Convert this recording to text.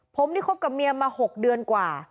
ผมนี่คบกับเมียมา๖เดือนกว่า